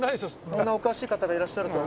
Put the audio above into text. こんなお詳しい方がいらっしゃるとは。